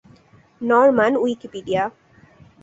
Norman Wikipedia